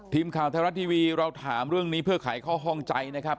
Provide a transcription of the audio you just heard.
ทีมข่าวไทยรัฐทีวีเราถามเรื่องนี้เพื่อขายข้อข้องใจนะครับ